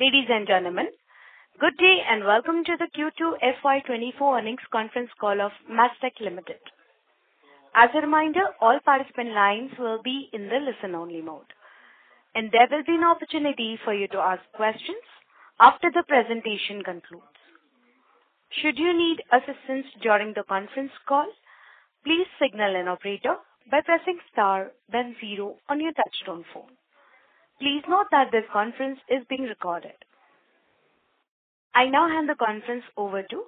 Ladies and gentlemen, good day, and welcome to the Q2 FY 2024 earnings conference call of Mastek Limited. As a reminder, all participant lines will be in the listen-only mode, and there will be an opportunity for you to ask questions after the presentation concludes. Should you need assistance during the conference call, please signal an operator by pressing star then zero on your touchtone phone. Please note that this conference is being recorded. I now hand the conference over to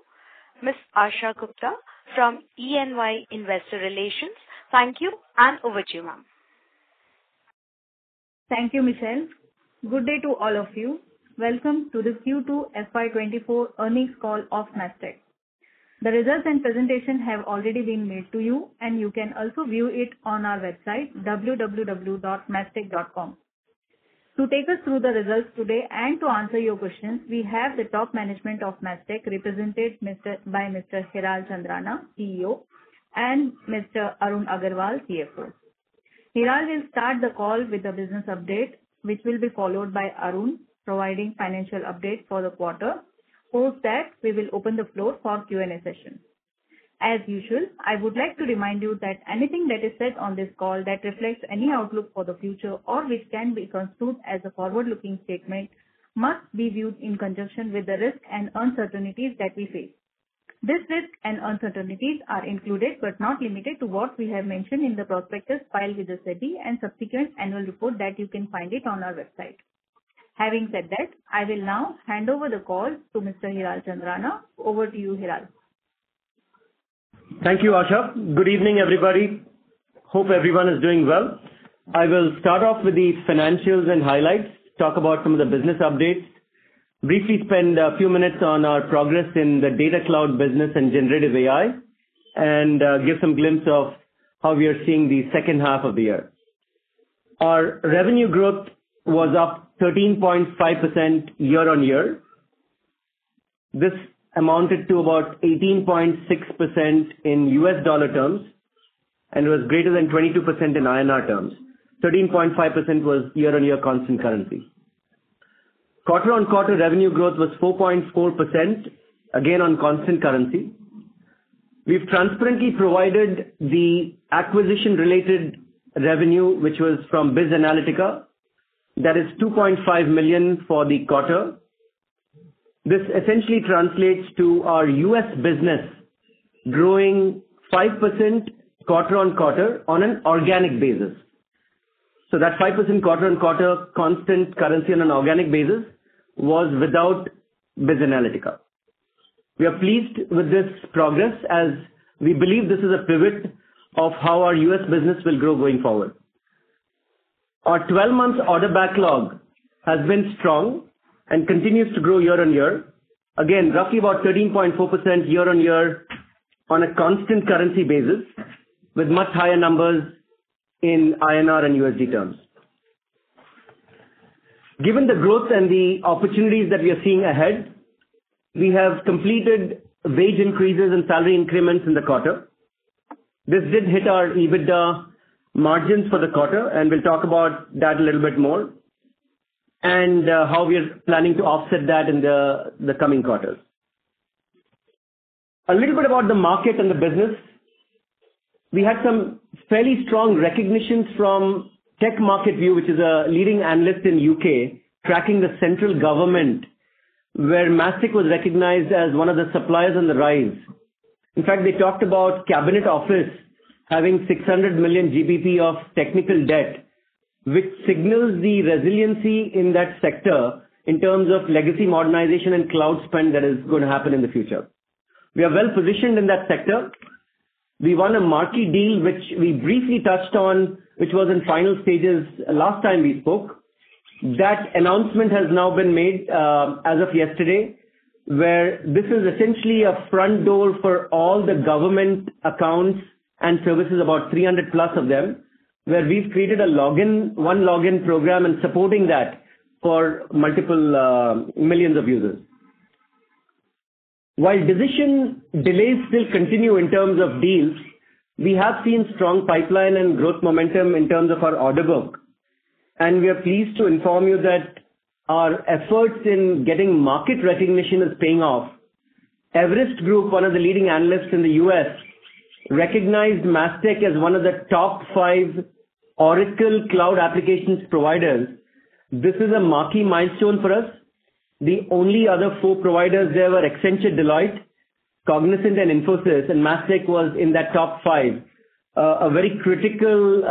Ms. Asha Gupta from E&Y Investor Relations. Thank you, and over to you, ma'am. Thank you, Michelle. Good day to all of you. Welcome to the Q2 FY 2024 earnings call of Mastek. The results and presentation have already been made to you, and you can also view it on our website, www.mastek.com. To take us through the results today and to answer your questions, we have the top management of Mastek, represented by Mr. Hiral Chandrana, CEO, and Mr. Arun Agarwal, CFO. Hiral will start the call with a business update, which will be followed by Arun providing financial update for the quarter. Post that, we will open the floor for Q&A session. As usual, I would like to remind you that anything that is said on this call that reflects any outlook for the future or which can be construed as a forward-looking statement, must be viewed in conjunction with the risks and uncertainties that we face. These risks and uncertainties are included, but not limited to, what we have mentioned in the prospectus filed with the SEBI and subsequent annual report that you can find it on our website. Having said that, I will now hand over the call to Mr. Hiral Chandrana. Over to you, Hiral. Thank you, Asha. Good evening, everybody. Hope everyone is doing well. I will start off with the financials and highlights, talk about some of the business updates, briefly spend a few minutes on our progress in the Data Cloud business and generative AI, and give some glimpse of how we are seeing the second half of the year. Our revenue growth was up 13.5% year-on-year. This amounted to about 18.6% in US dollar terms, and was greater than 22% in INR terms. 13.5% was year-on-year constant currency. Quarter-on-quarter revenue growth was 4.4%, again on constant currency. We've transparently provided the acquisition-related revenue, which was from BizAnalytica. That is $2.5 million for the quarter. This essentially translates to our US business growing 5% quarter-on-quarter on an organic basis. So that 5% quarter-on-quarter constant currency on an organic basis was without BizAnalytica. We are pleased with this progress, as we believe this is a pivot of how our U.S. business will grow going forward. Our 12-month order backlog has been strong and continues to grow year-on-year. Again, roughly about 13.4% year-on-year on a constant currency basis, with much higher numbers in INR and USD terms. Given the growth and the opportunities that we are seeing ahead, we have completed wage increases and salary increments in the quarter. This did hit our EBITDA margins for the quarter, and we'll talk about that a little bit more, and how we are planning to offset that in the coming quarters. A little bit about the market and the business. We had some fairly strong recognitions from TechMarketView, which is a leading analyst in the U.K., tracking the central government, where Mastek was recognized as one of the suppliers on the rise. In fact, they talked about Cabinet Office having 600 million GBP of technical debt, which signals the resiliency in that sector in terms of legacy modernization and cloud spend that is going to happen in the future. We are well-positioned in that sector. We won a marquee deal, which we briefly touched on, which was in final stages last time we spoke. That announcement has now been made, as of yesterday, where this is essentially a front door for all the government accounts and services, about 300 plus of them, where we've created a login, One Login program and supporting that for multiple millions of users. While decision delays still continue in terms of deals, we have seen strong pipeline and growth momentum in terms of our order book. We are pleased to inform you that our efforts in getting market recognition is paying off. Everest Group, one of the leading analysts in the U.S., recognized Mastek as one of the top five Oracle Cloud applications providers. This is a marquee milestone for us. The only other four providers there were Accenture, Deloitte, Cognizant and Infosys, and Mastek was in that top five. A very critical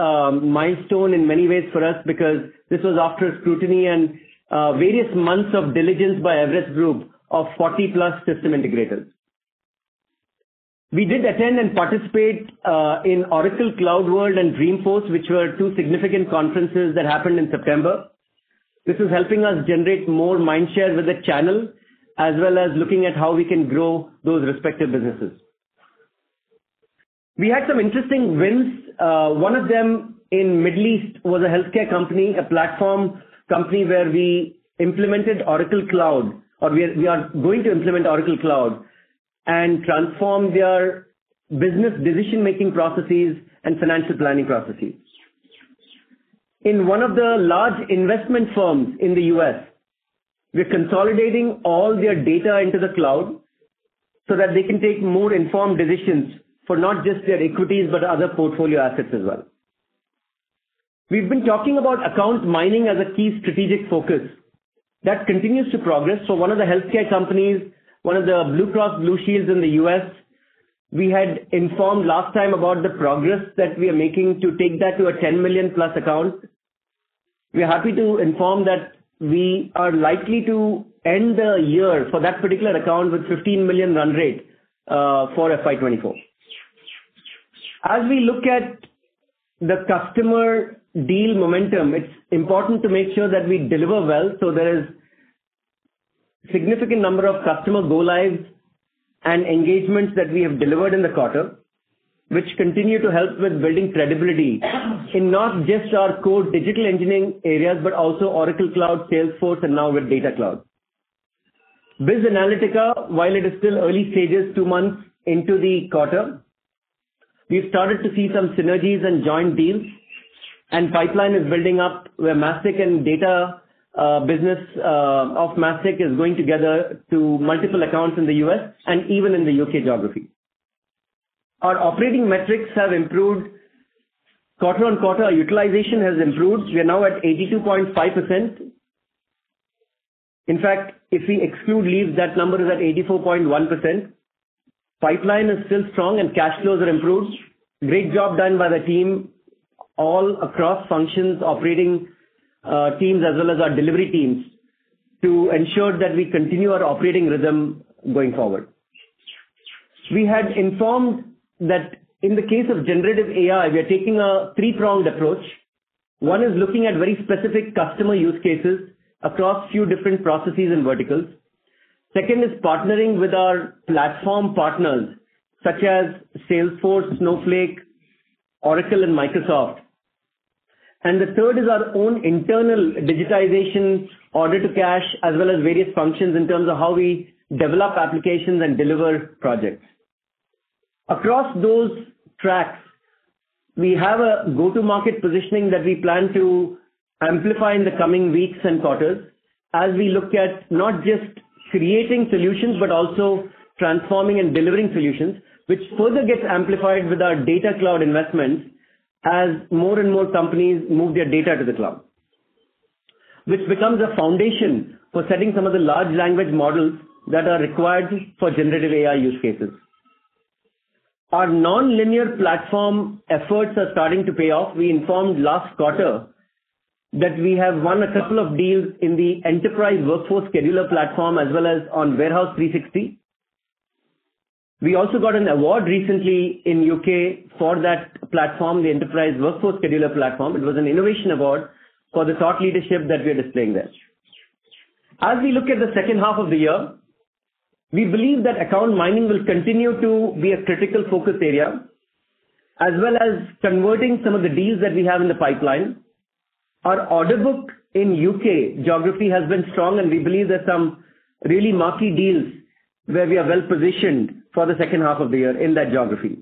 milestone in many ways for us, because this was after scrutiny and various months of diligence by Everest Group of 40-plus system integrators. We did attend and participate in Oracle CloudWorld and Dreamforce, which were two significant conferences that happened in September. This is helping us generate more mind share with the channel, as well as looking at how we can grow those respective businesses. We had some interesting wins. One of them in Middle East was a healthcare company, a platform company, where we implemented Oracle Cloud, or we are, we are going to implement Oracle Cloud, and transform their business decision-making processes and financial planning processes. In one of the large investment firms in the U.S., we're consolidating all their data into the cloud so that they can take more informed decisions for not just their equities, but other portfolio assets as well. We've been talking about account mining as a key strategic focus. That continues to progress. So one of the healthcare companies, one of the Blue Cross Blue Shield in the U.S., we had informed last time about the progress that we are making to take that to a $10 million+ account. We are happy to inform that we are likely to end the year for that particular account with $15 million run rate for FY 2024. As we look at the customer deal momentum, it's important to make sure that we deliver well, so there is significant number of customer go-lives and engagements that we have delivered in the quarter, which continue to help with building credibility in not just our core digital engineering areas, but also Oracle Cloud, Salesforce, and now with Data Cloud. BizAnalytica, while it is still early stages, two months into the quarter, we've started to see some synergies and joint deals, and pipeline is building up where Mastek and data business of Mastek is going together to multiple accounts in the U.S. and even in the U.K. geography. Our operating metrics have improved. Quarter-on-quarter, our utilization has improved. We are now at 82.5%. In fact, if we exclude leaves, that number is at 84.1%. Pipeline is still strong and cash flows are improved. Great job done by the team, all across functions, operating teams, as well as our delivery teams, to ensure that we continue our operating rhythm going forward. We had informed that in the case of generative AI, we are taking a three-pronged approach. One is looking at very specific customer use cases across few different processes and verticals. Second is partnering with our platform partners, such as Salesforce, Snowflake, Oracle, and Microsoft. The third is our own internal digitization, order to cash, as well as various functions in terms of how we develop applications and deliver projects. Across those tracks, we have a go-to-market positioning that we plan to amplify in the coming weeks and quarters as we look at not just creating solutions, but also transforming and delivering solutions, which further gets amplified with our data cloud investments as more and more companies move their data to the cloud. Which becomes a foundation for setting some of the large language models that are required for generative AI use cases. Our nonlinear platform efforts are starting to pay off. We informed last quarter that we have won a couple of deals in the Enterprise Workforce Scheduler platform, as well as on Warehouse 360. We also got an award recently in U.K. for that platform, the Enterprise Workforce Scheduler platform. It was an innovation award for the thought leadership that we are displaying there. As we look at the second half of the year, we believe that account mining will continue to be a critical focus area, as well as converting some of the deals that we have in the pipeline. Our order book in U.K. geography has been strong, and we believe that some really marquee deals, where we are well-positioned for the second half of the year in that geography,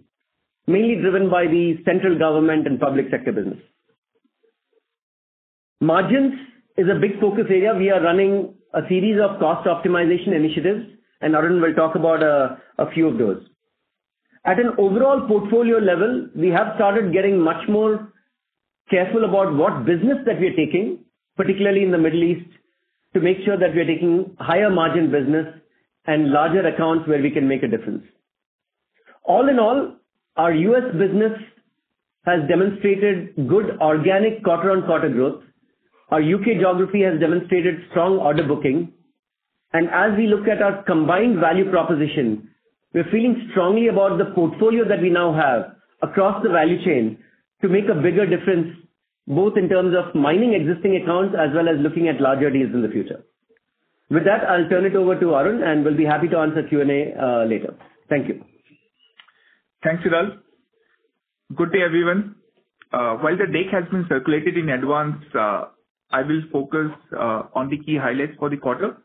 mainly driven by the central government and public sector business. Margins is a big focus area. We are running a series of cost optimization initiatives, and Arun will talk about a few of those. At an overall portfolio level, we have started getting much more careful about what business that we are taking, particularly in the Middle East, to make sure that we are taking higher margin business and larger accounts where we can make a difference. All in all, our U.S. business has demonstrated good organic quarter-on-quarter growth. Our U.K. geography has demonstrated strong order booking. And as we look at our combined value proposition, we're feeling strongly about the portfolio that we now have across the value chain to make a bigger difference, both in terms of mining existing accounts as well as looking at larger deals in the future. With that, I'll turn it over to Arun, and we'll be happy to answer Q&A later. Thank you. Thanks, Hiral. Good day, everyone. While the deck has been circulated in advance, I will focus on the key highlights for the quarter.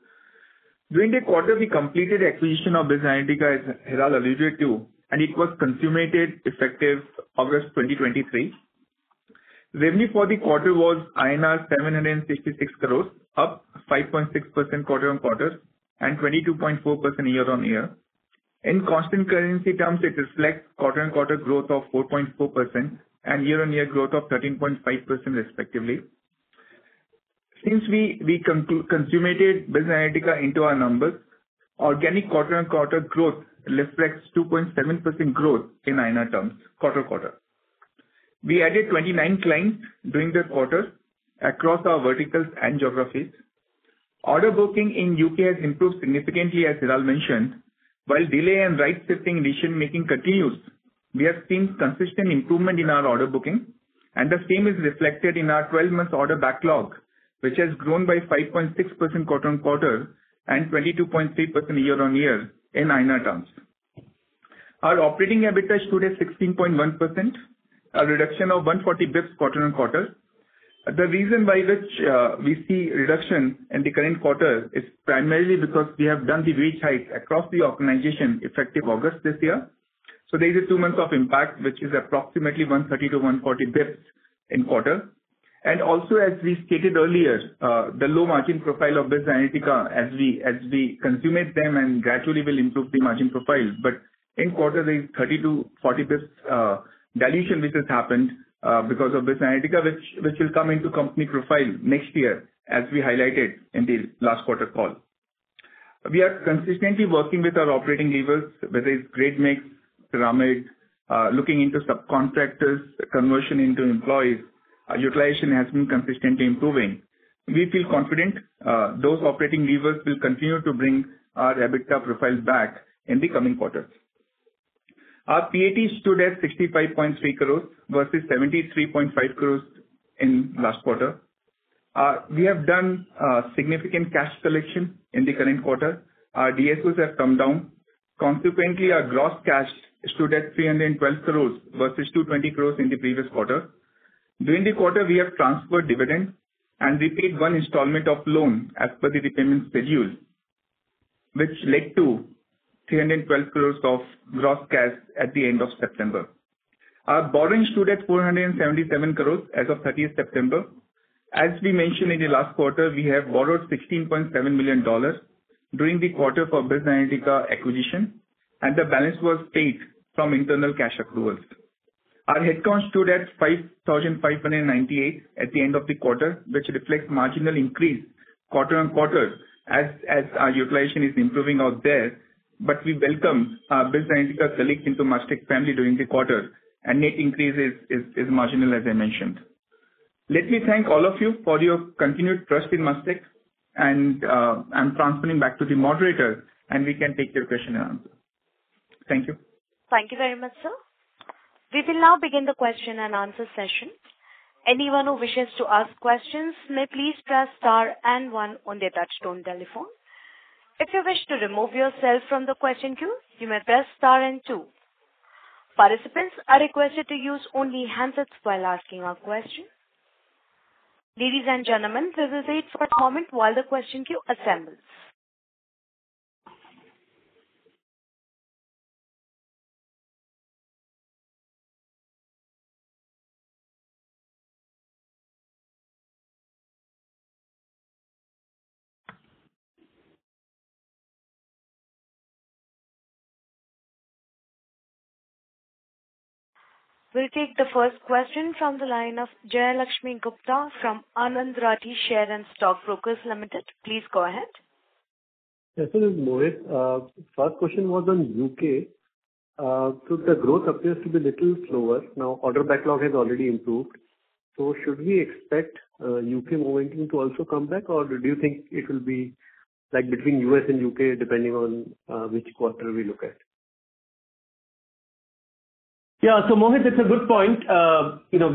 During the quarter, we completed acquisition of BizAnalytica, as Hiral alluded to, and it was consummated effective August 2023. Revenue for the quarter was INR 766 crores, up 5.6% quarter-on-quarter, and 22.4% year-on-year. In constant currency terms, it reflects quarter-on-quarter growth of 4.4% and year-on-year growth of 13.5% respectively. Since we consummated BizAnalytica into our numbers, organic quarter-on-quarter growth reflects 2.7% growth in INR terms, quarter-on-quarter. We added 29 clients during the quarter across our verticals and geographies. Order booking in UK has improved significantly, as Hiral mentioned. While delays and right-shifting decision making continues, we have seen consistent improvement in our order booking, and the same is reflected in our twelve-month order backlog, which has grown by 5.6% quarter-on-quarter and 22.3% year-on-year in INR terms. Our operating EBITDA stood at 16.1%, a reduction of 140 basis points quarter-on-quarter. The reason by which we see reduction in the current quarter is primarily because we have done the wage hike across the organization, effective August this year. So there is two months of impact, which is approximately 130 to 140 basis points in quarter. And also, as we stated earlier, the low margin profile of BizAnalytica as we consummate them and gradually will improve the margin profile. But in quarter, the 30-40 basis points dilution which has happened because of BizAnalytica, which will come into company profile next year, as we highlighted in the last quarter call. We are consistently working with our operating levers, whether it's grade mix, pyramid, looking into subcontractors, conversion into employees. Our utilization has been consistently improving. We feel confident, those operating levers will continue to bring our EBITDA profile back in the coming quarters. Our PAT stood at 65.3 crores, versus 73.5 crores in last quarter. We have done significant cash collection in the current quarter. Our DSOs have come down. Consequently, our gross cash stood at 312 crores, versus 220 crores in the previous quarter. During the quarter, we have transferred dividends and repaid one installment of loan as per the repayment schedule, which led to 312 crores of gross cash at the end of September. Our borrowing stood at 477 crores as of 30th September. As we mentioned in the last quarter, we have borrowed $16.7 million during the quarter for BizAnalytica acquisition, and the balance was paid from internal cash accruals. Our headcount stood at 5,598 at the end of the quarter, which reflects marginal increase quarter-on-quarter as our utilization is improving out there. But we welcome BizAnalytica talent into Mastek family during the quarter, and net increase is marginal, as I mentioned. Let me thank all of you for your continued trust in Mastek, and, I'm transferring back to the moderator, and we can take your question and answer. Thank you. Thank you very much, sir. We will now begin the question and answer session. Anyone who wishes to ask questions may please press star and one on their touchtone telephone. If you wish to remove yourself from the question queue, you may press star and two. Participants are requested to use only handsets while asking a question. Ladies and gentlemen, this is it for comment while the question queue assembles. We'll take the first question from the line of Jayalakshmi Gupta from Anand Rathi Share and Stock Brokers Limited. Please go ahead. Yes, sir, Mohit. First question was on U.K. So the growth appears to be little slower. Now, order backlog has already improved. So should we expect U.K. momentum to also come back, or do you think it will be like between U.S. and U.K., depending on which quarter we look at? Yeah. So, Mohit, it's a good point. You know,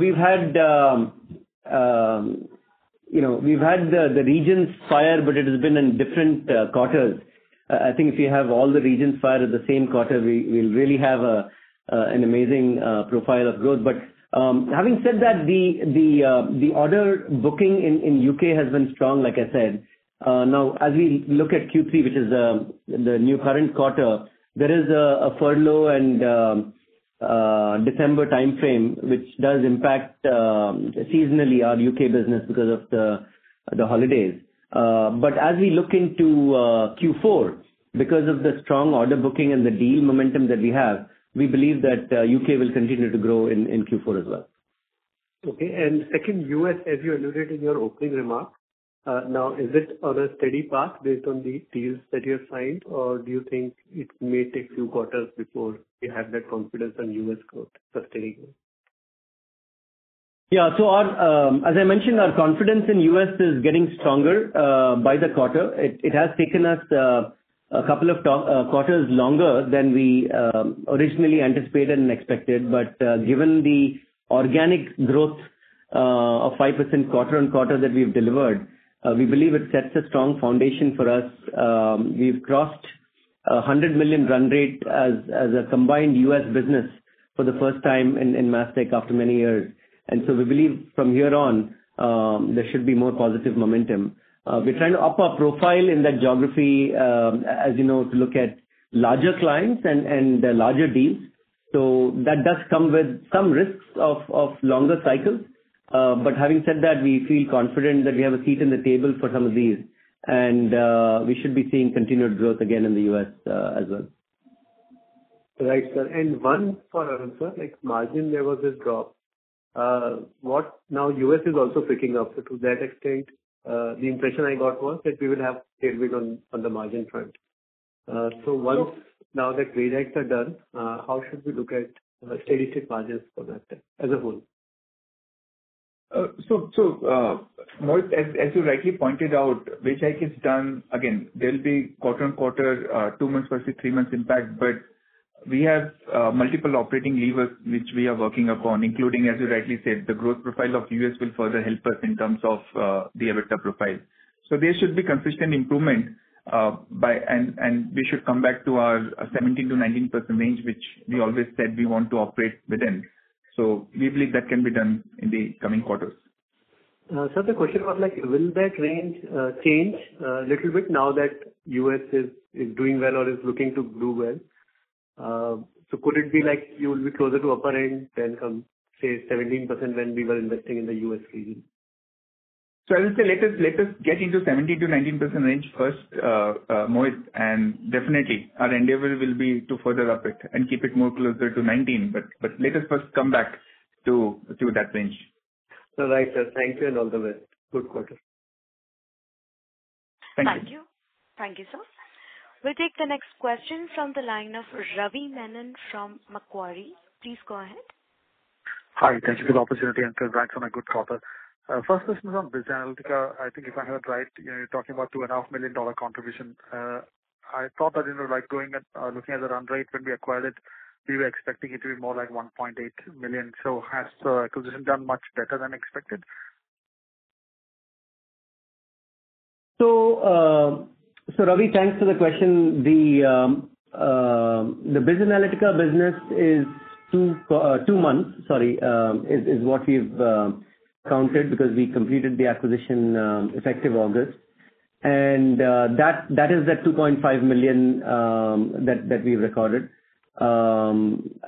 we've had the regions fire, but it has been in different quarters. I think if you have all the regions fired at the same quarter, we'll really have an amazing profile of growth. But, having said that, the order booking in UK has been strong, like I said. Now as we look at Q3, which is the new current quarter, there is a furlough and December timeframe, which does impact seasonally our UK business because of the holidays. But as we look into Q4, because of the strong order booking and the deal momentum that we have, we believe that UK will continue to grow in Q4 as well. Okay. And second, U.S., as you alluded in your opening remarks, now is this on a steady path based on the deals that you have signed? Or do you think it may take a few quarters before you have that confidence on U.S. growth sustaining? Yeah. So our, as I mentioned, our confidence in U.S. is getting stronger, by the quarter. It, it has taken us, a couple of quarters longer than we, originally anticipated and expected. But, given the organic growth, of 5% quarter-on-quarter that we've delivered, we believe it sets a strong foundation for us. We've crossed $100 million run rate as, a combined U.S. business for the first time in, Mastek after many years. And so we believe from here on, there should be more positive momentum. We're trying to up our profile in that geography, as you know, to look at larger clients and, larger deals. So that does come with some risks of, longer cycles. But having said that, we feel confident that we have a seat in the table for some of these, and we should be seeing continued growth again in the U.S., as well. Right, sir. And one for Arun, sir, like margin, there was this drop. Now the U.S. is also picking up. So to that extent, the impression I got was that we would have tailwind on the margin front. So once the wage hikes are done, how should we look at EBITDA margins for that time as a whole? So, Mohit, as you rightly pointed out, wage hike is done again. There'll be quarter-on-quarter, two months versus three months impact, but we have multiple operating levers which we are working upon, including, as you rightly said, the growth profile of US will further help us in terms of the EBITDA profile. So there should be consistent improvement, and we should come back to our 17%-19% range, which we always said we want to operate within. So we believe that can be done in the coming quarters. So the question about like, will that range change little bit now that U.S. is doing well or is looking to do well? So could it be like you will be closer to upper end than, say 17% when we were investing in the U.S. region? So I would say let us, let us get into 17%-19% range first, Mohit, and definitely our endeavor will be to further up it and keep it more closer to 19%. But let us first come back to that range. All right, sir. Thank you and all the best. Good quarter. Thank you. Thank you. Thank you, sir. We'll take the next question from the line of Ravi Menon from Macquarie. Please go ahead. Hi. Thank you for the opportunity, and congrats on a good quarter. First question is on BizAnalytica. I think if I heard right, you know, you're talking about $2.5 million contribution. I thought that, you know, like, going at, looking at the run rate when we acquired it, we were expecting it to be more like $1.8 million. So has the acquisition done much better than expected? So, Ravi, thanks for the question. The BizAnalytica business is two months, sorry, is what we've counted because we completed the acquisition effective August. And that is the $2.5 million that we've recorded. I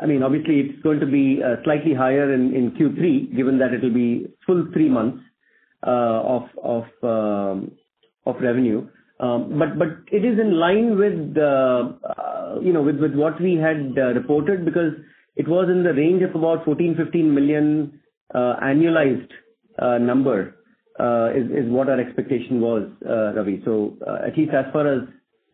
mean, obviously, it's going to be slightly higher in Q3, given that it'll be full three months of revenue. But it is in line with the, you know, with what we had reported, because it was in the range of about $14 million-$15 million annualized number is what our expectation was, Ravi. So, at least as far as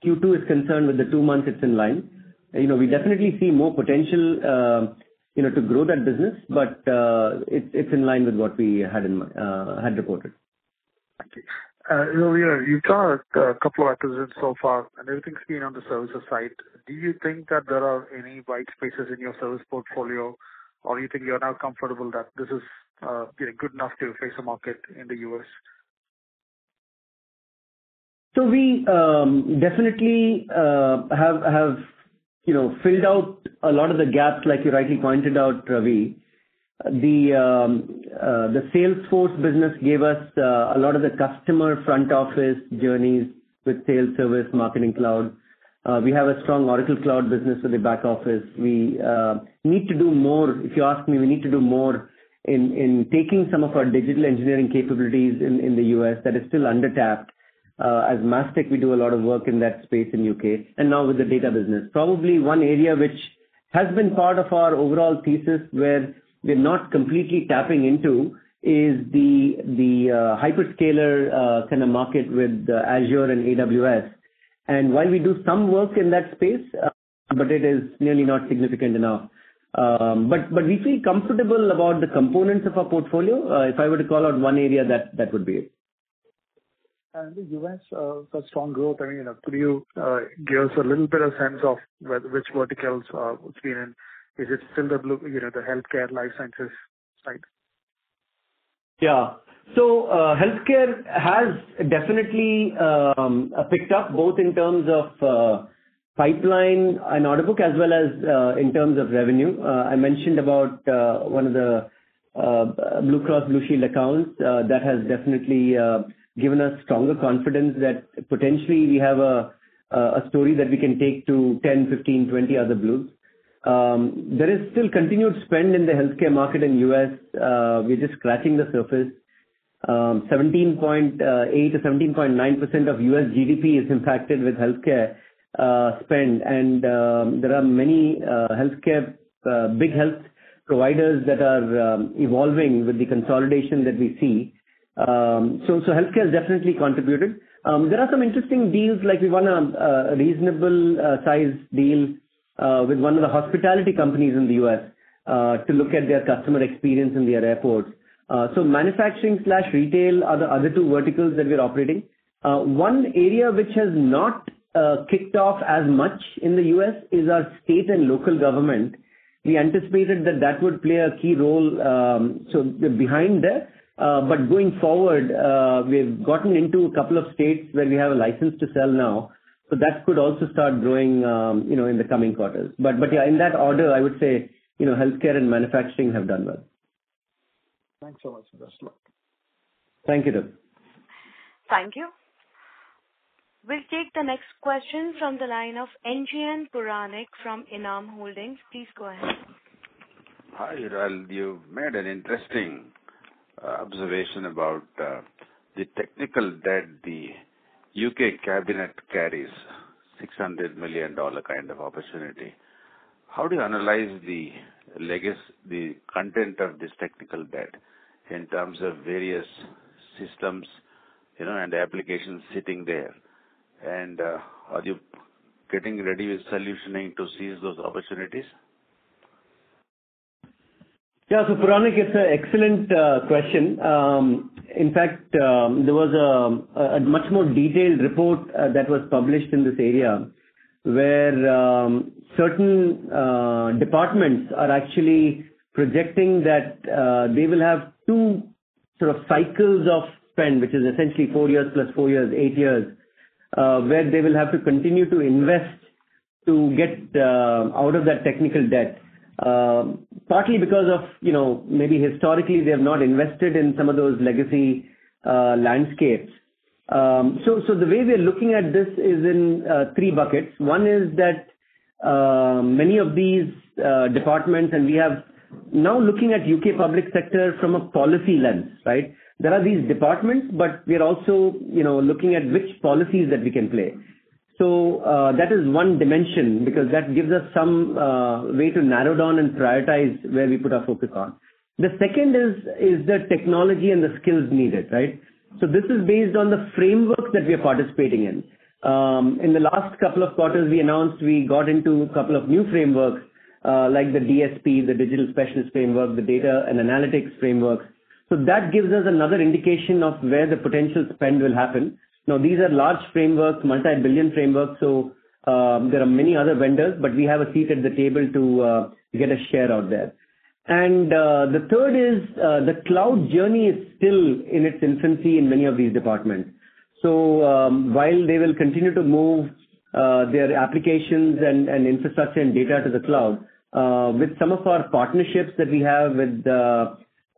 Q2 is concerned, with the two months, it's in line. You know, we definitely see more potential, you know, to grow that business, but it's in line with what we had reported. Thank you. You know, you've got a couple of acquisitions so far, and everything's been on the services side. Do you think that there are any white spaces in your service portfolio, or you think you're now comfortable that this is, you know, good enough to face the market in the US? So we definitely have you know filled out a lot of the gaps, like you rightly pointed out, Ravi. The Salesforce business gave us a lot of the customer front office journeys with sales, service, marketing cloud. We have a strong Oracle Cloud business with the back office. We need to do more. If you ask me, we need to do more in taking some of our digital engineering capabilities in the U.S. that is still undertapped. As Mastek, we do a lot of work in that space in U.K., and now with the data business. Probably one area which has been part of our overall thesis, where we're not completely tapping into, is the hyperscaler kind of market with Azure and AWS. While we do some work in that space, it is really not significant enough. We feel comfortable about the components of our portfolio. If I were to call out one area, that would be it. The US for strong growth, I mean, could you give us a little bit of sense of which verticals are experience? Is it still the, you know, the healthcare, life sciences side? Yeah. So, healthcare has definitely picked up both in terms of pipeline and order book, as well as in terms of revenue. I mentioned about one of the Blue Cross Blue Shield accounts. That has definitely given us stronger confidence that potentially we have a story that we can take to 10, 15, 20 other Blues. There is still continued spend in the healthcare market in U.S., we're just scratching the surface. Seventeen point eight to seventeen point nine percent of U.S. GDP is impacted with healthcare spend, and there are many healthcare big health providers that are evolving with the consolidation that we see. So, healthcare has definitely contributed. There are some interesting deals, like we won a reasonable sized deal with one of the hospitality companies in the U.S. to look at their customer experience in their airports. So manufacturing/retail are the other two verticals that we're operating. One area which has not kicked off as much in the U.S. is our state and local government. We anticipated that that would play a key role, so we're behind there. But going forward, we've gotten into a couple of states where we have a license to sell now, so that could also start growing, you know, in the coming quarters. But yeah, in that order, I would say, you know, healthcare and manufacturing have done well. Thanks so much. Best luck. Thank you, Ravi. Thank you. We'll take the next question from the line of NGN Puranik from Enam Holdings. Please go ahead. Hi, Rahul. You made an interesting observation about the technical debt that the U.K. Cabinet carries GBP 600 million kind of opportunity. How do you analyze the legacy, the content of this technical debt in terms of various systems, you know, and the applications sitting there? And, are you getting ready with solutioning to seize those opportunities? Yeah. So, Puranik, it's an excellent question. In fact, there was a much more detailed report that was published in this area, where certain departments are actually projecting that they will have two sort of cycles of spend, which is essentially four years plus four years, eight years, where they will have to continue to invest to get out of that technical debt, partly because of, you know, maybe historically they have not invested in some of those legacy landscapes. So the way we are looking at this is in three buckets. One is that many of these departments, and we have now looking at U.K. public sector from a policy lens, right? There are these departments, but we are also, you know, looking at which policies that we can play. So, that is one dimension, because that gives us some way to narrow down and prioritize where we put our focus on. The second is the technology and the skills needed, right? So this is based on the frameworks that we are participating in. In the last couple of quarters, we announced we got into a couple of new frameworks, like the DSP, the Digital Specialist Framework, the Data and Analytics Frameworks. So that gives us another indication of where the potential spend will happen. Now, these are large frameworks, multi-billion frameworks, so there are many other vendors, but we have a seat at the table to get a share of that. And the third is the cloud journey is still in its infancy in many of these departments. So, while they will continue to move their applications and infrastructure and data to the cloud, with some of our partnerships that we have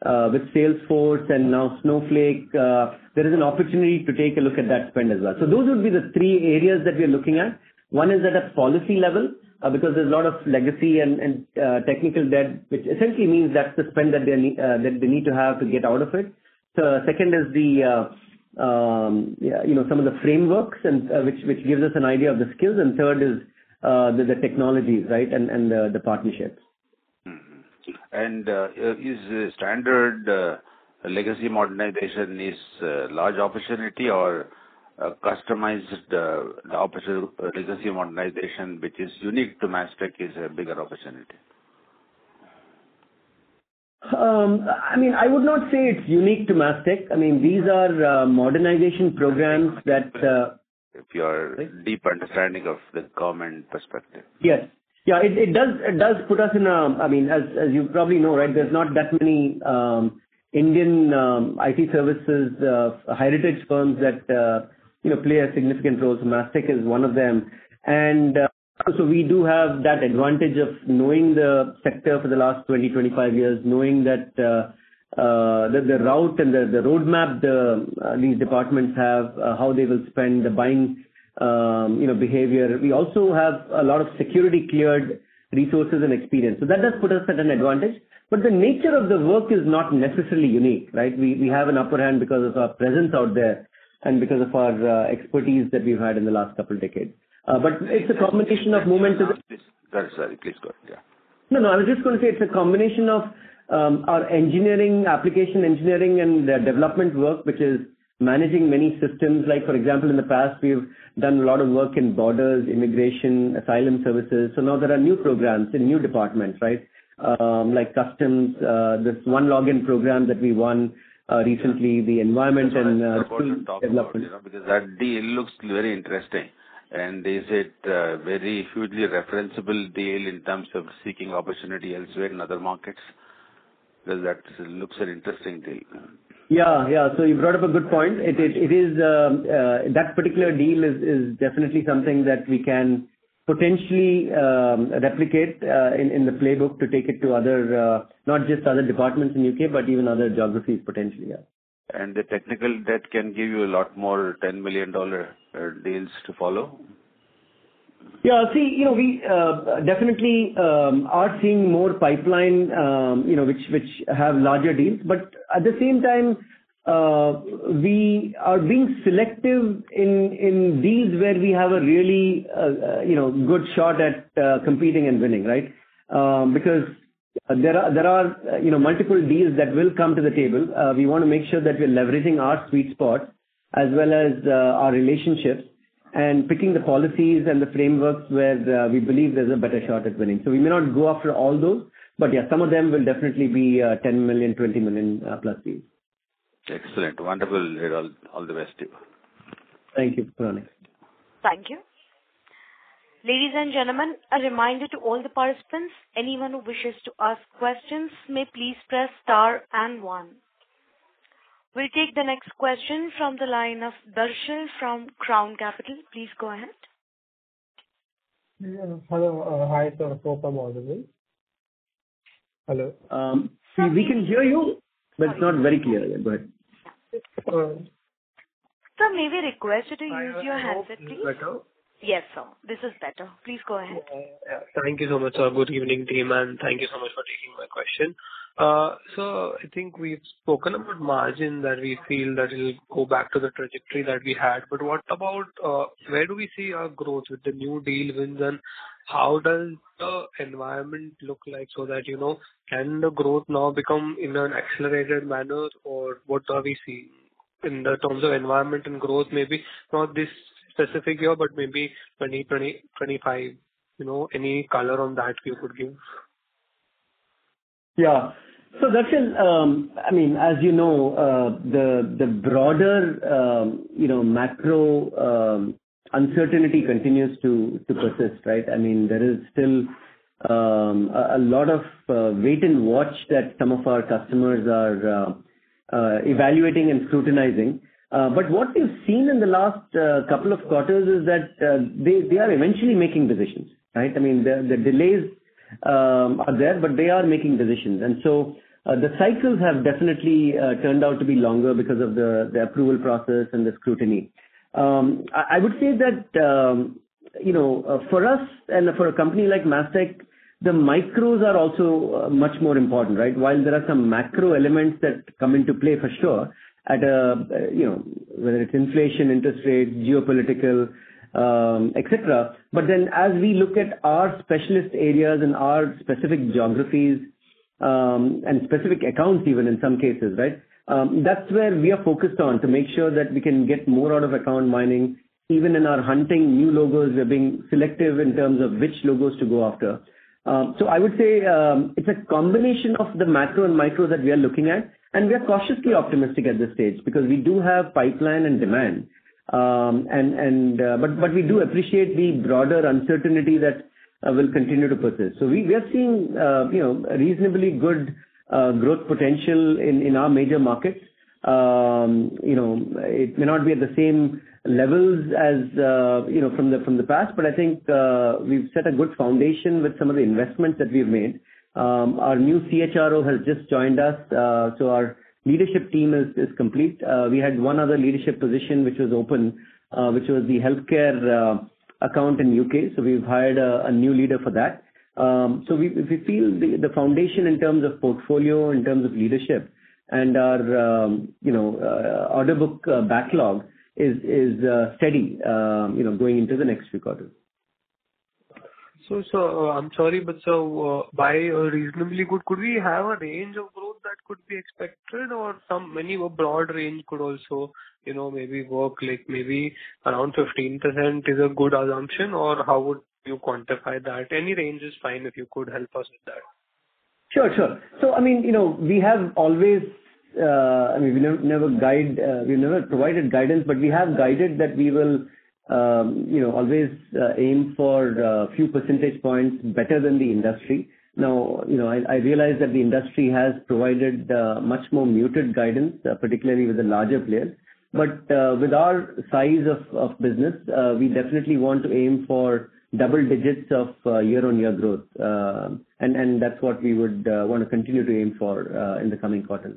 with Salesforce and now Snowflake, there is an opportunity to take a look at that spend as well. So those would be the three areas that we are looking at. One is at a policy level, because there's a lot of legacy and technical debt, which essentially means that's the spend that they need to have to get out of it. So second is the, yeah, you know, some of the frameworks and which gives us an idea of the skills. And third is the technologies, right? And the partnerships. Mm-hmm. And, is standard legacy modernization a large opportunity or a customized opportunity legacy modernization, which is unique to Mastek, is a bigger opportunity? I mean, I would not say it's unique to Mastek. I mean, these are modernization programs that- If your deep understanding of the government perspective. Yes. Yeah, it does put us in a... I mean, as you probably know, right, there's not that many Indian IT services heritage firms that you know play a significant role, so Mastek is one of them. And so we do have that advantage of knowing the sector for the last 20-25 years, knowing that the route and the roadmap these departments have, how they will spend, the buying you know behavior. We also have a lot of security cleared resources and experience. So that does put us at an advantage. But the nature of the work is not necessarily unique, right? We have an upper hand because of our presence out there and because of our expertise that we've had in the last couple decades. But it's a combination of momentum- Sorry, sorry. Please, go ahead. Yeah. No, no, I was just gonna say, it's a combination of our engineering, application engineering and the development work, which is managing many systems. Like, for example, in the past, we've done a lot of work in borders, immigration, asylum services, so now there are new programs and new departments, right? Like customs, this One Login program that we won recently, the environment and development- Because that deal looks very interesting. And is it very hugely referenceable deal in terms of seeking opportunity elsewhere in other markets? Because that looks an interesting deal. Yeah, yeah. So you brought up a good point. That particular deal is definitely something that we can potentially replicate in the playbook to take it to other, not just other departments in UK, but even other geographies, potentially, yeah. The technical debt can give you a lot more $10 million deals to follow? Yeah. See, you know, we definitely are seeing more pipeline, you know, which have larger deals. But at the same time, we are being selective in deals where we have a really, you know, good shot at competing and winning, right? Because there are, you know, multiple deals that will come to the table. We wanna make sure that we are leveraging our sweet spot as well as our relationships, and picking the policies and the frameworks where we believe there's a better shot at winning. So we may not go after all those, but yeah, some of them will definitely be $10 million, $20 million-plus deals. Excellent. Wonderful. All the best to you. Thank you, Puranik. Thank you. Ladies and gentlemen, a reminder to all the participants, anyone who wishes to ask questions may please press Star and 1. We'll take the next question from the line of Darshan Jhaveri from Crown Capital. Please go ahead. Yeah. Hello. Hi, sir. Hello. We can hear you, but it's not very clear. Go ahead. Sir, may we request you to use your headset, please? Better? Yes, sir. This is better. Please go ahead. Yeah. Thank you so much, sir. Good evening, team, and thank you so much for taking my question. So I think we've spoken about margin, that we feel that it'll go back to the trajectory that we had. But what about, where do we see our growth with the new deal wins, and how does the environment look like so that, you know, can the growth now become in an accelerated manner? Or what are we seeing in the terms of environment and growth maybe? Not this specific year, but maybe 2025. You know, any color on that you could give? Yeah. So Darshan, I mean, as you know, the broader, you know, macro uncertainty continues to persist, right? I mean, there is still a lot of wait and watch that some of our customers are evaluating and scrutinizing. But what we've seen in the last couple of quarters is that they are eventually making decisions, right? I mean, the delays are there, but they are making decisions. And so, the cycles have definitely turned out to be longer because of the approval process and the scrutiny. I would say that, you know, for us and for a company like Mastek, the micros are also much more important, right? While there are some macro elements that come into play for sure, at a, you know, whether it's inflation, interest rate, geopolitical, et cetera. But then as we look at our specialist areas and our specific geographies, and specific accounts even in some cases, right? That's where we are focused on, to make sure that we can get more out of account mining. Even in our hunting new logos, we are being selective in terms of which logos to go after. So I would say, it's a combination of the macro and micro that we are looking at, and we are cautiously optimistic at this stage because we do have pipeline and demand. And... but we do appreciate the broader uncertainty that will continue to persist. So we are seeing, you know, reasonably good growth potential in our major markets. You know, it may not be at the same levels as, you know, from the past, but I think, we've set a good foundation with some of the investments that we've made. Our new CHRO has just joined us, so our leadership team is complete. We had one other leadership position which was open, which was the healthcare account in U.K., so we've hired a new leader for that. So we feel the foundation in terms of portfolio, in terms of leadership and our, you know, order book backlog is steady, you know, going into the next few quarters. I'm sorry, but by reasonably good, could we have a range of growth that could be expected or some maybe a broad range could also, you know, maybe work, like maybe around 15% is a good assumption, or how would you quantify that? Any range is fine, if you could help us with that. Sure. Sure. So I mean, you know, we have always, I mean, we never guide, we've never provided guidance, but we have guided that we will, you know, always, aim for, a few percentage points better than the industry. Now, you know, I realize that the industry has provided, much more muted guidance, particularly with the larger players. But, with our size of business, we definitely want to aim for double digits of, year-on-year growth. And that's what we would, want to continue to aim for, in the coming quarters.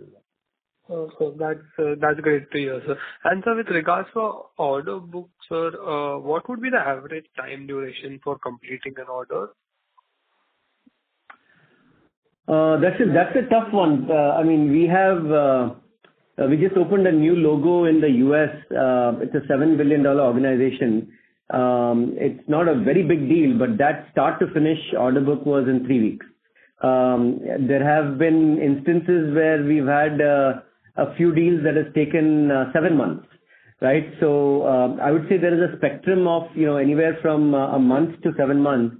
Oh, so that's, that's great to hear, sir. And sir, with regards to order books, sir, what would be the average time duration for completing an order? That's a tough one. I mean, we have... We just opened a new logo in the US, it's a $7 billion organization. It's not a very big deal, but that start-to-finish order book was in 3 weeks. There have been instances where we've had a few deals that has taken 7 months, right? So, I would say there is a spectrum of, you know, anywhere from a month to 7 months,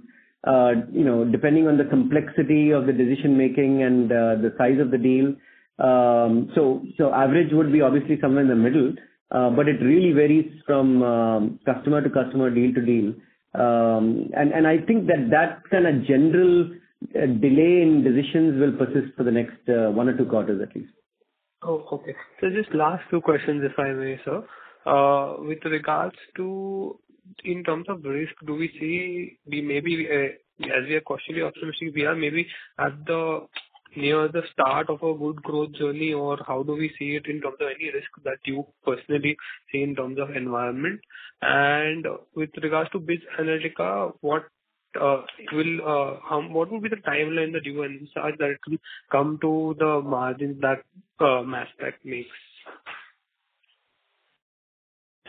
you know, depending on the complexity of the decision-making and the size of the deal. So, average would be obviously somewhere in the middle, but it really varies from customer to customer, deal to deal. I think that kind of general delay in decisions will persist for the next one or two quarters at least. Oh, okay. So just last two questions, if I may, sir. With regards to in terms of risk, do we see we may be, as we are cautiously optimistic, we are maybe at the near the start of a good growth journey, or how do we see it in terms of any risk that you personally see in terms of environment? And with regards to BizAnalytica, what would be the timeline that you will start, that it will come to the margins that Mastek makes?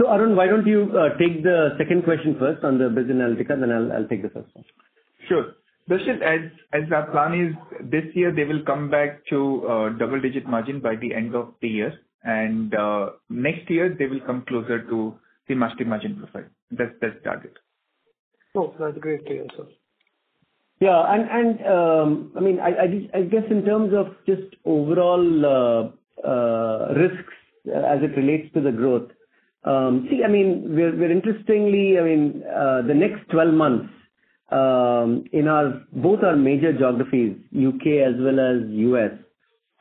So, Arun, why don't you take the second question first on the BizAnalytica, then I'll take the first one. Sure. Darshan, as our plan is, this year they will come back to double-digit margin by the end of the year, and next year they will come closer to the Mastek margin profile. That's target. Oh, that's great to hear, sir. Yeah, and, I mean, I guess in terms of just overall risks as it relates to the growth. See, I mean, we're interestingly, I mean, the next 12 months in both our major geographies, U.K. as well as U.S.,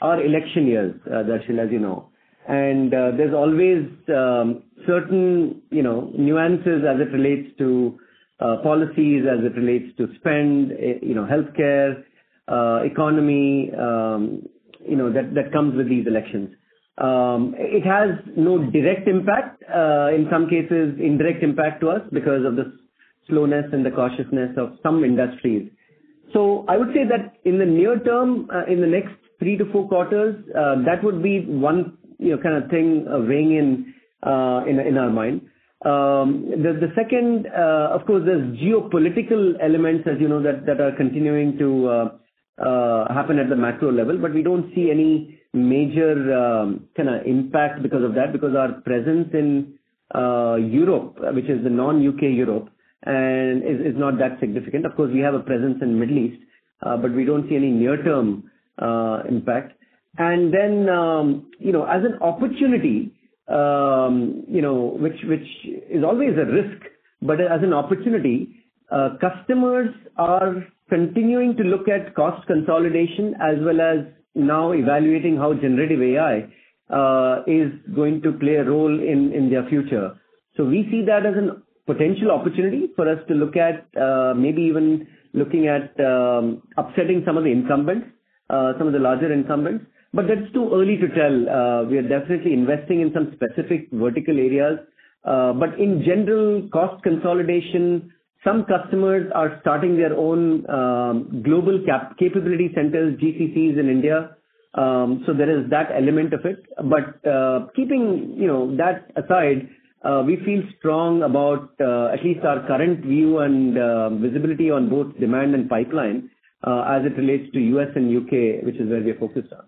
are election years, Darshan, as you know. And, there's always certain, you know, nuances as it relates to policies, as it relates to spend, you know, healthcare, economy, you know, that comes with these elections. It has no direct impact, in some cases, indirect impact to us because of the slowness and the cautiousness of some industries. So I would say that in the near term, in the next 3-4 quarters, that would be one, you know, kind of thing weighing in, in our mind. The second, of course, there's geopolitical elements, as you know, that are continuing to happen at the macro level, but we don't see any major, kind of impact because of that, because our presence in Europe, which is the non-U.K. Europe, and is not that significant. Of course, we have a presence in Middle East, but we don't see any near-term impact. And then, you know, as an opportunity, you know, which is always a risk, but as an opportunity-... Customers are continuing to look at cost consolidation as well as now evaluating how Generative AI is going to play a role in their future. So we see that as an potential opportunity for us to look at, maybe even looking at, upsetting some of the incumbents, some of the larger incumbents. But that's too early to tell. We are definitely investing in some specific vertical areas. But in general, cost consolidation, some customers are starting their own, global capability centers, GCCs, in India. So there is that element of it. But, keeping, you know, that aside, we feel strong about at least our current view and visibility on both demand and pipeline as it relates to U.S. and U.K., which is where we are focused on.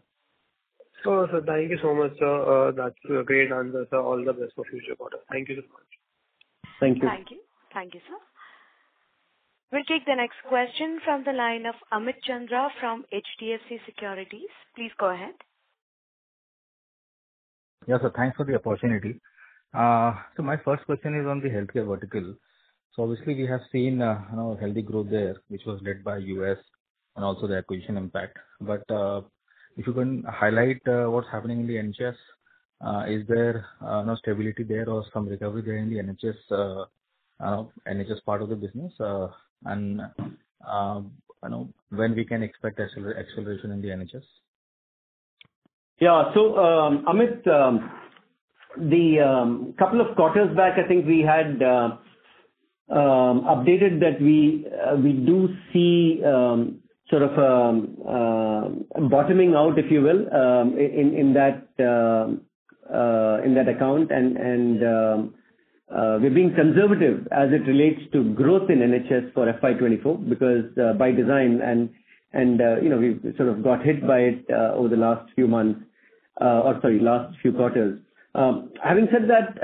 Sure, sir. Thank you so much, sir. That's a great answer, sir. All the best for future quarter. Thank you so much. Thank you. Thank you. Thank you, sir. We'll take the next question from the line of Amit Chandra from HDFC Securities. Please go ahead. Yeah, so thanks for the opportunity. So my first question is on the healthcare vertical. So obviously, we have seen, you know, healthy growth there, which was led by U.S. and also the acquisition impact. But if you can highlight what's happening in the NHS. Is there no stability there or some recovery there in the NHS, NHS part of the business? And, you know, when we can expect acceleration in the NHS? Yeah. So, Amit, the couple of quarters back, I think we had updated that we do see sort of bottoming out, if you will, in that account. And we're being conservative as it relates to growth in NHS for FY 2024 because, by design and you know, we sort of got hit by it over the last few months, or sorry, last few quarters. Having said that,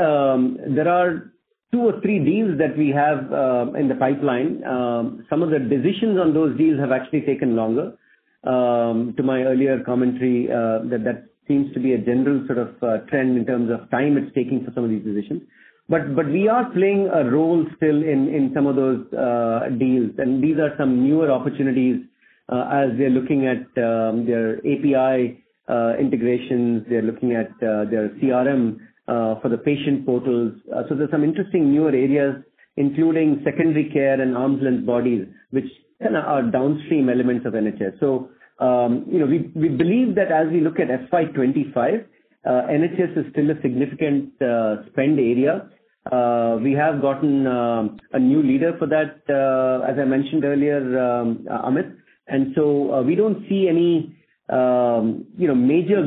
there are two or three deals that we have in the pipeline. Some of the decisions on those deals have actually taken longer. To my earlier commentary, that seems to be a general sort of trend in terms of time it's taking for some of these decisions. But we are playing a role still in some of those deals, and these are some newer opportunities as they're looking at their API integrations, they're looking at their CRM for the patient portals. So there's some interesting newer areas, including secondary care and arms and bodies, which kind of are downstream elements of NHS. So you know, we believe that as we look at FY 25, NHS is still a significant spend area. We have gotten a new leader for that, as I mentioned earlier, Amit. And so we don't see any you know, major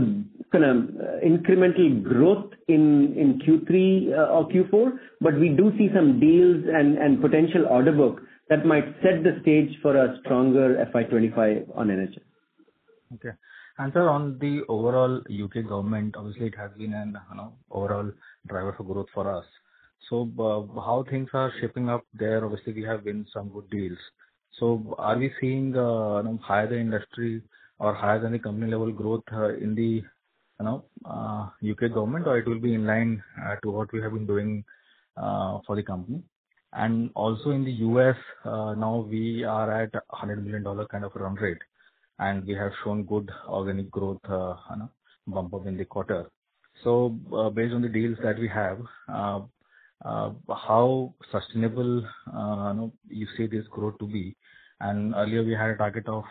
kind of incremental growth in Q3 or Q4, but we do see some deals and potential order book that might set the stage for a stronger FY 25 on NHS. Okay. And so on the overall U.K. government, obviously, it has been an, you know, overall driver for growth for us. So how things are shaping up there? Obviously, we have been some good deals. So are we seeing, you know, higher industry or higher than the company level growth, in the, you know, U.K. government, or it will be in line, to what we have been doing, for the company? And also in the U.S., now we are at $100 million kind of run rate, and we have shown good organic growth, you know, bump up in the quarter. So, based on the deals that we have, how sustainable, you know, you see this growth to be? Earlier we had a target of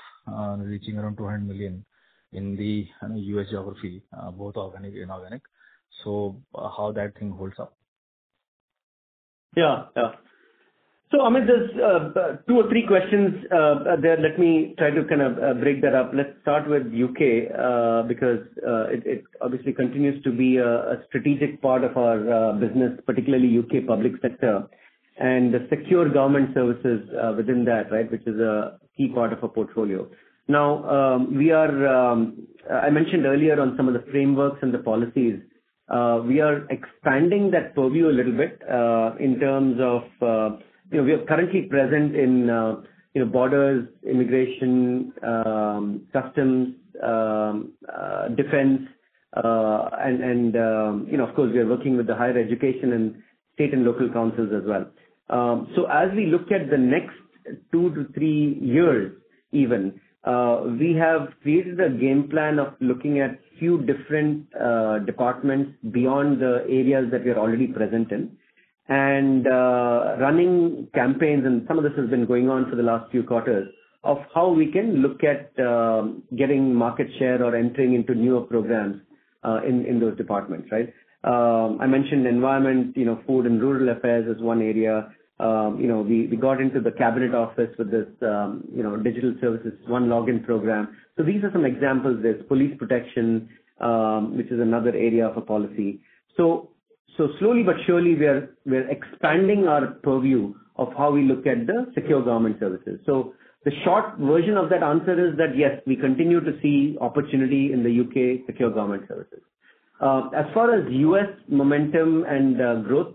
reaching around $200 million in the, you know, U.S. geography, both organic and inorganic. So how that thing holds up? Yeah. Yeah. So, Amit, there's two or three questions there. Let me try to kind of break that up. Let's start with U.K., because it obviously continues to be a strategic part of our business, particularly U.K. public sector, and the secure government services within that, right? Which is a key part of our portfolio. Now, we are... I mentioned earlier on some of the frameworks and the policies. We are expanding that purview a little bit in terms of, you know, we are currently present in you know, borders, immigration, customs, defense, and, and you know, of course, we are working with the higher education and state and local councils as well. So as we look at the next 2-3 years even, we have created a game plan of looking at few different departments beyond the areas that we are already present in. Running campaigns, and some of this has been going on for the last few quarters, of how we can look at getting market share or entering into newer programs in those departments, right? I mentioned Environment, you know, Food and Rural Affairs is one area. You know, we got into the Cabinet Office with this, you know, digital services, One Login program. So these are some examples. There's police protection, which is another area of a policy. So slowly but surely, we are expanding our purview of how we look at the secure government services. So the short version of that answer is that, yes, we continue to see opportunity in the U.K. secure government services. As far as U.S. momentum and growth,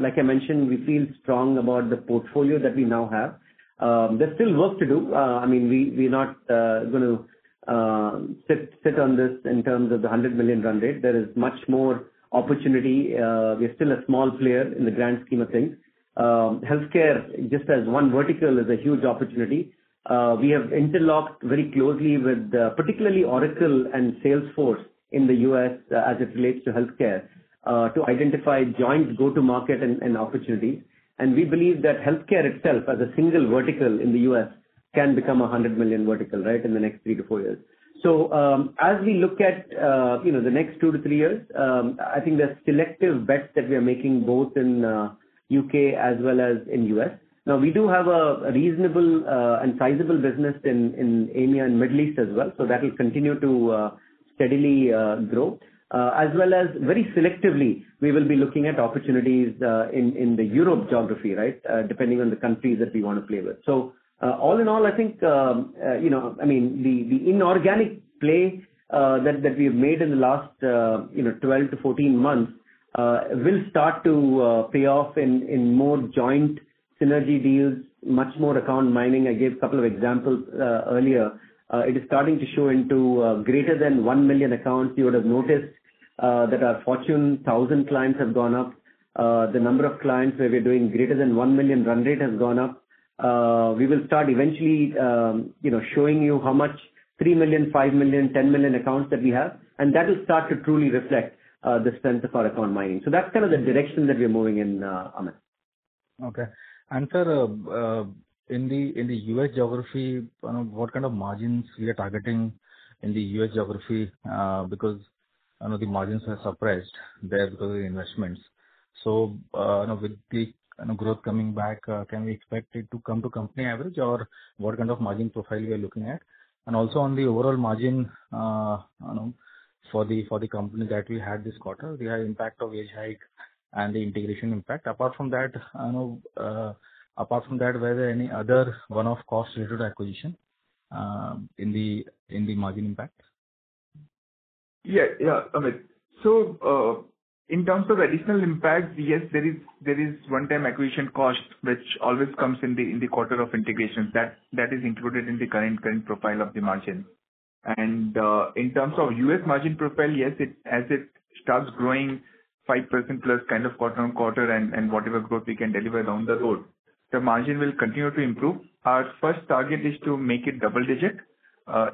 like I mentioned, we feel strong about the portfolio that we now have. There's still work to do. I mean, we, we're not gonna sit on this in terms of the $100 million run rate. There is much more opportunity. We are still a small player in the grand scheme of things. Healthcare, just as one vertical, is a huge opportunity. We have interlocked very closely with particularly Oracle and Salesforce in the U.S., as it relates to healthcare, to identify joint go-to-market and opportunities. We believe that healthcare itself, as a single vertical in the US, can become a $100 million vertical, right, in the next 3-4 years. So, as we look at, you know, the next 2-3 years, I think there are selective bets that we are making both in UK as well as in US. Now, we do have a reasonable and sizable business in EMEA and Middle East as well, so that will continue to steadily grow. As well as very selectively, we will be looking at opportunities in the Europe geography, right? Depending on the countries that we want to play with. So, all in all, I think, you know... I mean, the inorganic play that we have made in the last, you know, 12-14 months will start to pay off in more joint synergy deals, much more account mining. I gave a couple of examples earlier. It is starting to show into greater than $1 million accounts. You would have noticed that our Fortune 1000 clients have gone up. The number of clients where we're doing greater than $1 million run rate has gone up. We will start eventually, you know, showing you how much $3 million, $5 million, $10 million accounts that we have, and that will start to truly reflect the strength of our account mining. So that's kind of the direction that we're moving in, Amit. Okay. And, sir, in the U.S. geography, I don't know, what kind of margins we are targeting in the U.S. geography? Because I know the margins are suppressed there because of the investments. So, you know, with the growth coming back, can we expect it to come to company average, or what kind of margin profile we are looking at? And also, on the overall margin, I know, for the company that we had this quarter, we had impact of wage hike and the integration impact. Apart from that, I know... Apart from that, were there any other one-off costs related to acquisition, in the margin impact? Yeah, yeah, Amit. So, in terms of additional impact, yes, there is one-time acquisition cost, which always comes in the quarter of integration. That is included in the current profile of the margin. And, in terms of US margin profile, yes, it as it starts growing 5%+ kind of quarter-on-quarter and whatever growth we can deliver down the road, the margin will continue to improve. Our first target is to make it double-digit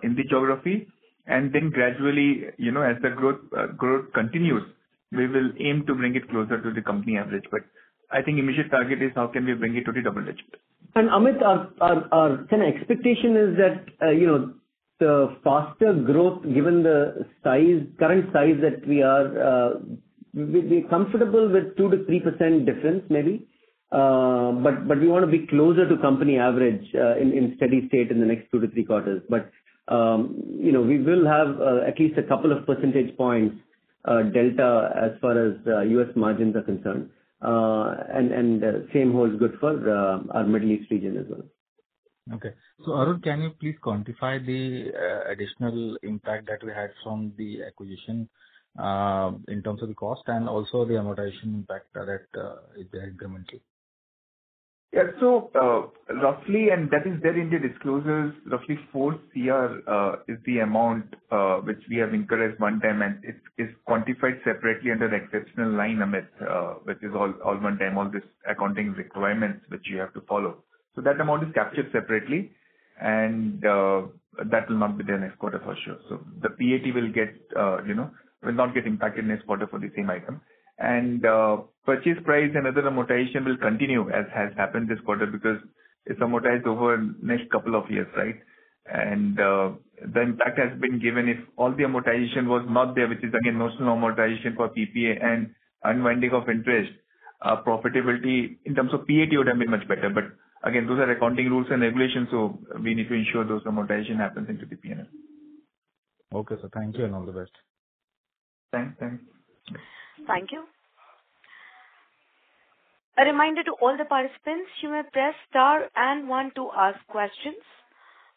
in the geography, and then gradually, you know, as the growth continues, we will aim to bring it closer to the company average. But I think immediate target is how can we bring it to the double-digit. And, Amit, our kind of expectation is that, you know, the faster growth, given the size, current size that we are, we're comfortable with 2%-3% difference maybe. But we want to be closer to company average, in steady state in the next 2-3 quarters. But, you know, we will have at least a couple of percentage points delta, as far as the U.S. margins are concerned. And the same holds good for our Middle East region as well. Okay. So, Arun, can you please quantify the additional impact that we had from the acquisition in terms of the cost and also the amortization factor that it had incrementally? Yeah. So, roughly, and that is there in the disclosures, roughly 4 crore is the amount which we have incurred as one time, and it is quantified separately under the exceptional line, Amit, which is all, all one time, all this accounting requirements which you have to follow. So that amount is captured separately, and that will not be there next quarter for sure. So the PAT will get, you know, will not get impacted next quarter for the same item. And, purchase price and other amortization will continue, as has happened this quarter, because it's amortized over next couple of years, right? And, the impact has been given. If all the amortization was not there, which is again, most amortization for PPA and unwinding of interest, profitability in terms of PAT would have been much better. But again, those are accounting rules and regulations, so we need to ensure those amortization happens into the P&L. Okay, sir. Thank you, and all the best. Thanks. Thanks. Thank you. A reminder to all the participants, you may press star and one to ask questions.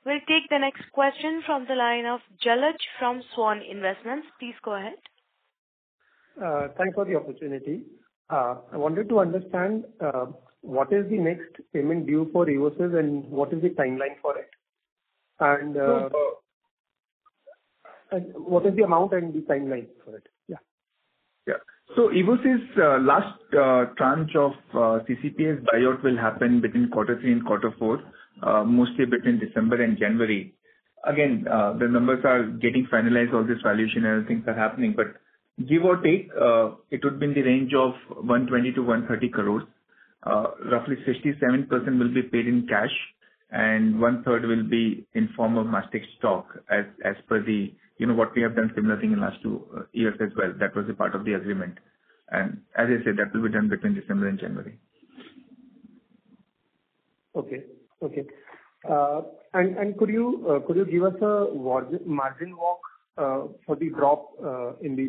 We'll take the next question from the line of Jalaj from Swan Investments. Please go ahead. Thank you for the opportunity. I wanted to understand what is the next payment due for Evosys, and what is the timeline for it? And So- What is the amount and the timeline for it? Yeah. Yeah. So Evosys, last tranche of CCPS buyout will happen between quarter three and quarter four, mostly between December and January. Again, the numbers are getting finalized, all this valuation and things are happening. But give or take, it would be in the range of 120 crore-130 crore. Roughly 67% will be paid in cash, and one-third will be in form of Mastek stock, as per the... You know, what we have done similar thing in last two years as well. That was a part of the agreement. And as I said, that will be done between December and January. Okay, could you give us a margin walk for the drop in the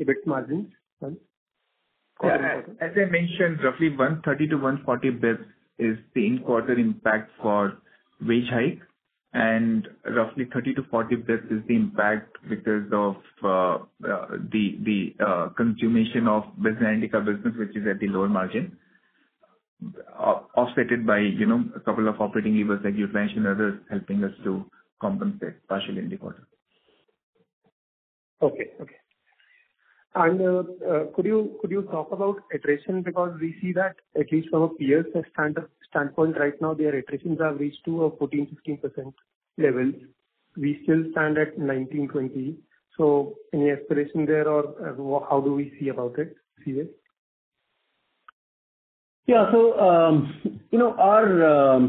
EBIT margin? Yeah, as I mentioned, roughly 130-140 basis points is the in-quarter impact for wage hike, and roughly 30-40 basis points is the impact because of the consummation of business and India business, which is at the lower margin. Offset it by, you know, a couple of operating levers that you mentioned, others helping us to compensate partially in the quarter. Okay. Okay. And could you, could you talk about attrition? Because we see that at least some of peers have standpoint right now, their attritions have reached to a 14%-15% level. We still stand at 19%-20%. So any aspiration there, or how do we see about it, see it? Yeah. So, you know, our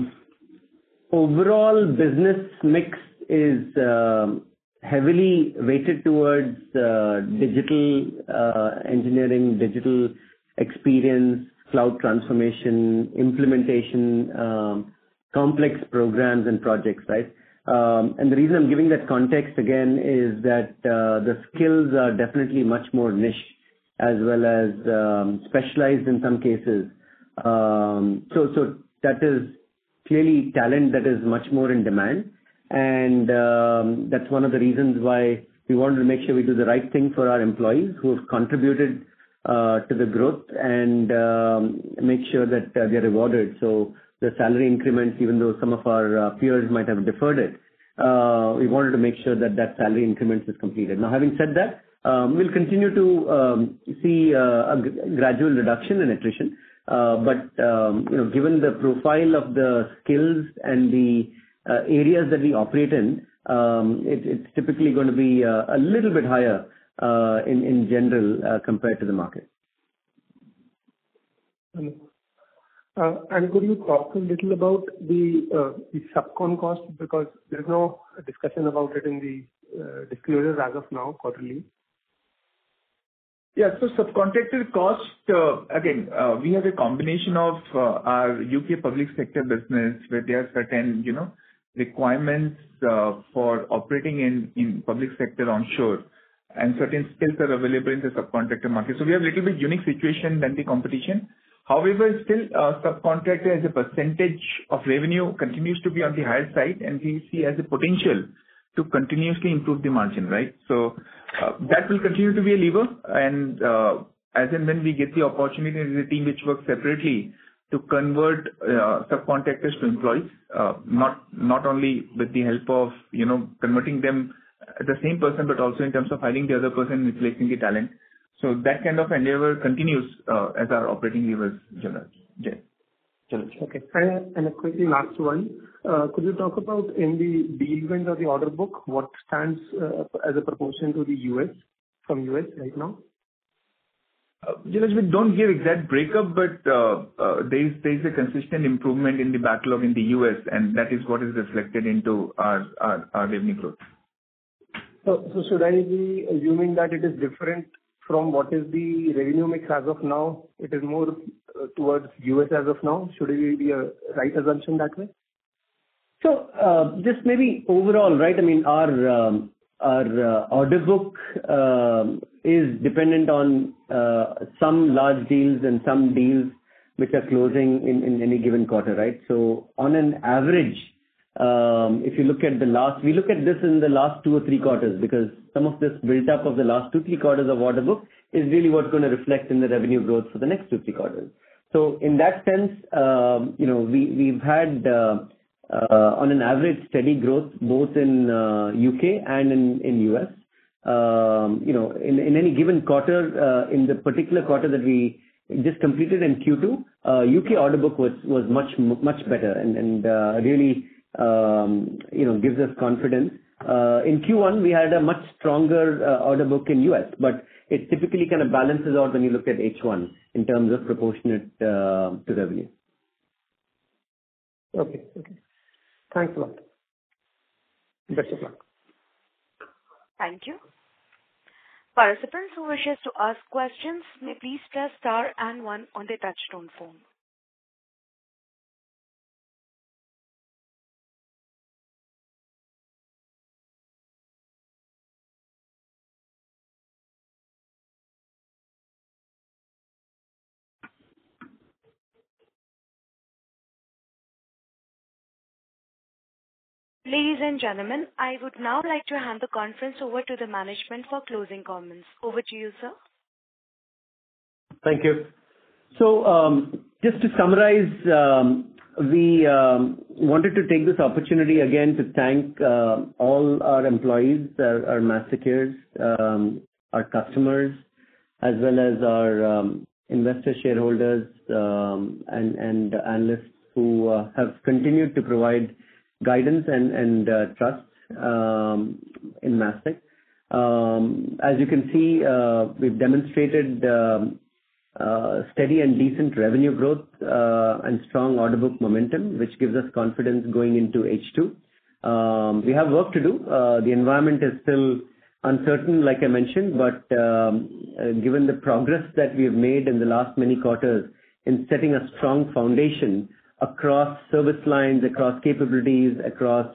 overall business mix is heavily weighted towards digital engineering, digital experience, cloud transformation, implementation, complex programs and projects, right? And the reason I'm giving that context again is that the skills are definitely much more niche as well as specialized in some cases. So that is clearly talent that is much more in demand. And that's one of the reasons why we wanted to make sure we do the right thing for our employees who have contributed to the growth and make sure that they're rewarded. So the salary increments, even though some of our peers might have deferred it, we wanted to make sure that that salary increment is completed. Now, having said that, we'll continue to see a gradual reduction in attrition. You know, given the profile of the skills and the areas that we operate in, it's typically gonna be a little bit higher, in general, compared to the market. Could you talk a little about the subcon cost? Because there's no discussion about it in the disclosures as of now, quarterly? Yeah. So subcontractor cost, again, we have a combination of our UK public sector business, where there are certain, you know, requirements for operating in public sector onshore, and certain skills are available in the subcontractor market. So we have a little bit unique situation than the competition. However, still, subcontractor, as a percentage of revenue, continues to be on the higher side, and we see as a potential to continuously improve the margin, right? So, that will continue to be a lever, and, as and when we get the opportunity, there's a team which works separately to convert subcontractors to employees. Not only with the help of, you know, converting them, the same person, but also in terms of hiring the other person, replacing the talent. So that kind of endeavor continues as our operating levers generates. Yeah. Okay. And a quick last one. Could you talk about, in the deal wins or the order book, what stands as a proportion to the U.S., from U.S. right now? Dilip, we don't give exact breakup, but there's a consistent improvement in the backlog in the US, and that is what is reflected into our revenue growth. So, should I be assuming that it is different from what is the revenue mix as of now? It is more towards U.S. as of now. Should it be a right assumption that way? So, just maybe overall, right? I mean, our order book is dependent on some large deals and some deals which are closing in any given quarter, right? So on an average, if you look at the last... We look at this in the last two or three quarters, because some of this build-up of the last two, three quarters of order book is really what's gonna reflect in the revenue growth for the next two, three quarters. So in that sense, you know, we've had on an average, steady growth both in U.K. and in U.S. You know, in any given quarter, in the particular quarter that we just completed in Q2, U.K. order book was much better and really gives us confidence. In Q1, we had a much stronger order book in the U.S., but it typically kind of balances out when you look at H1 in terms of proportionate to revenue. Okay. Okay. Thanks a lot. Best of luck. Thank you. Participants who wish to ask questions may please press star and one on the touch-tone phone. Ladies and gentlemen, I would now like to hand the conference over to the management for closing comments. Over to you, sir. Thank you. So, just to summarize, we wanted to take this opportunity again to thank all our employees, our Mastekeers, our customers, as well as our investor shareholders, and analysts who have continued to provide guidance and trust in Mastek. As you can see, we've demonstrated steady and decent revenue growth, and strong order book momentum, which gives us confidence going into H2. We have work to do. The environment is still uncertain, like I mentioned, but given the progress that we've made in the last many quarters in setting a strong foundation across service lines, across capabilities, across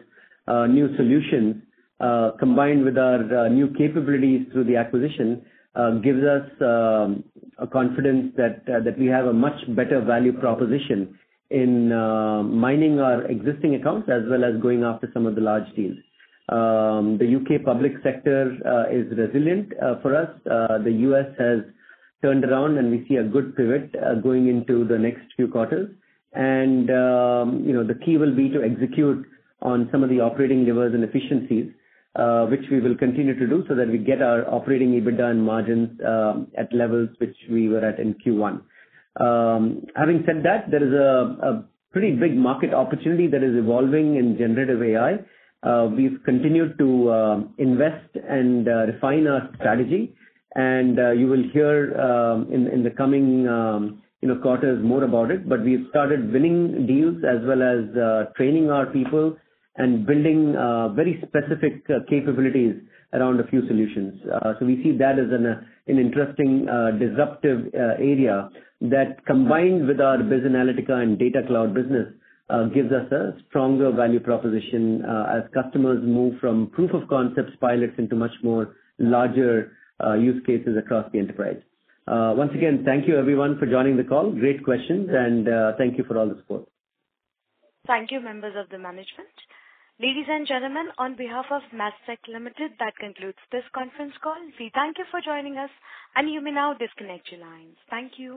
new solutions, combined with our new capabilities through the acquisition, gives us a confidence that we have a much better value proposition in mining our existing accounts, as well as going after some of the large deals. The U.K. public sector is resilient for us. The U.S. has turned around, and we see a good pivot going into the next few quarters. You know, the key will be to execute on some of the operating levers and efficiencies, which we will continue to do, so that we get our operating EBITDA and margins at levels which we were at in Q1. Having said that, there is a pretty big market opportunity that is evolving in generative AI. We've continued to invest and refine our strategy. And you will hear in the coming, you know, quarters more about it. But we've started winning deals as well as training our people and building very specific capabilities around a few solutions. So we see that as an interesting disruptive area that, combined with our BizAnalytica and data cloud business, gives us a stronger value proposition, as customers move from proof of concepts pilots into much more larger use cases across the enterprise. Once again, thank you everyone for joining the call. Great questions, and thank you for all the support. Thank you, members of the management. Ladies and gentlemen, on behalf of Mastek Limited, that concludes this conference call. We thank you for joining us, and you may now disconnect your lines. Thank you.